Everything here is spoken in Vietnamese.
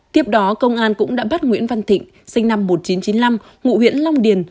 tiếp đó công an cũng đã bắt nguyễn văn thịnh sinh năm một nghìn chín trăm chín mươi năm ngụ huyện long điền